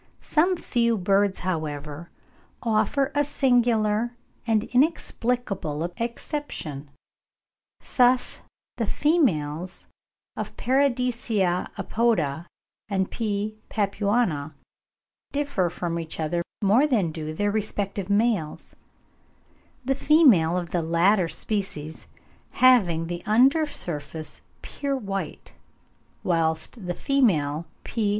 Some few birds, however, offer a singular and inexplicable exception; thus the females of Paradisea apoda and P. papuana differ from each other more than do their respective males (7. Wallace, 'The Malay Archipelago,' vol. ii. 1869, p. 394.); the female of the latter species having the under surface pure white, whilst the female P.